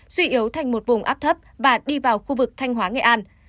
suy yếu thành một vùng áp thấp và đi vào khu vực thanh hóa nghệ an